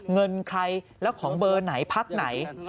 เงินใครแล้วของเบอร์ไหนพักไหน